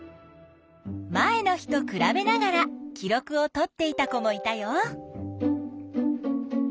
前の日とくらべながら記録をとっていた子もいたよ。